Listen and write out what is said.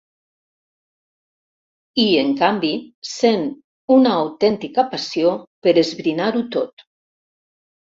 I en canvi sent una autèntica passió per esbrinar-ho tot.